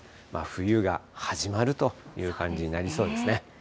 冬が始まるという感じになりそうですね。